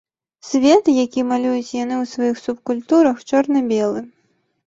Свет, які малююць яны ў сваіх субкультурах, чорна-белы.